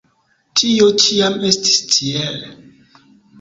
Tio ĉiam estis tiel.